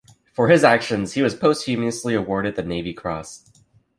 For his actions he was posthumously awarded the Navy Cross.